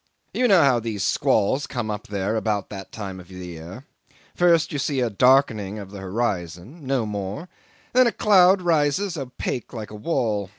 You know how these squalls come up there about that time of the year. First you see a darkening of the horizon no more; then a cloud rises opaque like a wall.